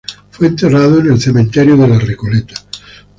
Fue enterrado en el Cementerio de La Recoleta.